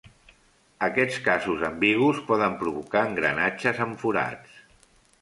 Aquests casos ambigus poden provocar engranatges amb forats.